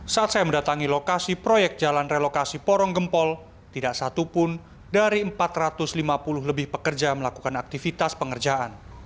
saat saya mendatangi lokasi proyek jalan relokasi porong gempol tidak satupun dari empat ratus lima puluh lebih pekerja melakukan aktivitas pengerjaan